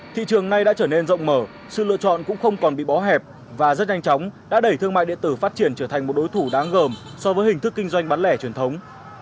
thị trường này đã trở nên rộng mở sự lựa chọn cũng không còn bị bó hẹp và rất nhanh chóng đã đẩy thương mại điện tử phát triển trở thành một đối thủ đáng gồm so với hình thức kinh doanh bán lẻ truyền thống